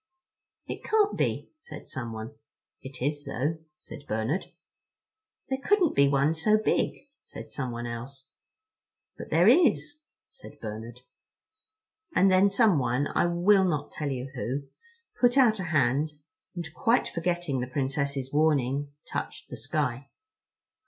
"It can't be," said someone. "It is though," said Bernard. "There couldn't be one so big," said someone else. "But there is," said Bernard. And then someone—I will not tell you who—put out a hand, and, quite forgetting the Princess's warning, touched the sky.